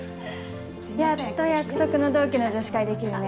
やっと約束の同期の女子会できるね。